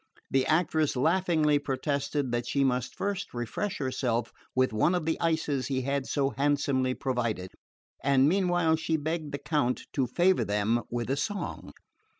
The actress laughingly protested that she must first refresh herself with one of the ices he had so handsomely provided; and meanwhile she begged the Count to favour them with a song.